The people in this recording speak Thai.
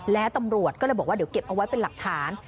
แล้วตำรวจก็เลยบอกว่าเดี๋ยวเก็บเอาไว้เป็นหลักฐาน